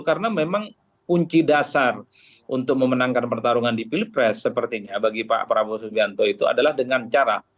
karena memang kunci dasar untuk memenangkan pertarungan di pilpres sepertinya bagi pak prabowo subianto itu adalah dengan cara